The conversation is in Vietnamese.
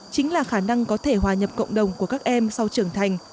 chính là khả năng có thể hòa nhập cộng đồng của các em sau trưởng thành